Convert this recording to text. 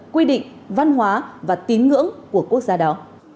quy định văn hóa và tín ngưỡng của quốc gia đó